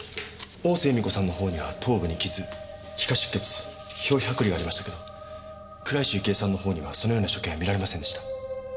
大瀬恵美子さんの方には頭部に傷皮下出血表皮剥離がありましたけど倉石雪絵さんの方にはそのような所見は見られませんでした。